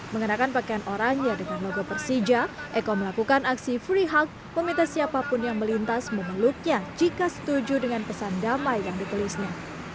mengenakan pakaian orangnya dengan logo persija eko melakukan aksi free hug meminta siapapun yang melintas memeluknya jika setuju dengan pesan damai yang ditulisnya